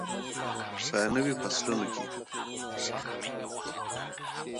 په نویو فصلونو کې.